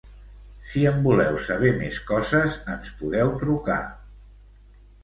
Si en voleu saber més coses, ens podeu trucar.